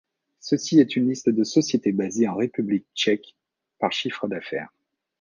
Ceci est une liste de sociétés basées en République tchèque par chiffre d'affaires.